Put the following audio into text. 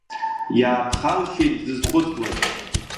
Иааԥхалшьеит дзызхәыцуаз.